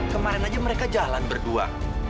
kemarin aja mereka jalan berdua